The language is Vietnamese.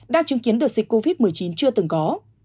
đã chứng kiến được dịch covid một mươi chín chưa từng có